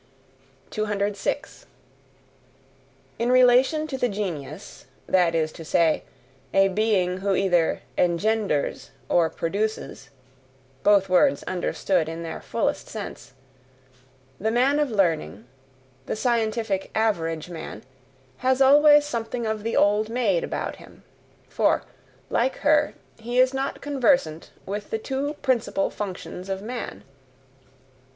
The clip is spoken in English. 206. In relation to the genius, that is to say, a being who either ENGENDERS or PRODUCES both words understood in their fullest sense the man of learning, the scientific average man, has always something of the old maid about him; for, like her, he is not conversant with the two principal functions of man.